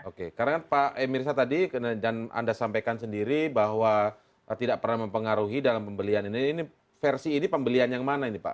oke karena pak emirsa tadi dan anda sampaikan sendiri bahwa tidak pernah mempengaruhi dalam pembelian ini ini versi ini pembelian yang mana ini pak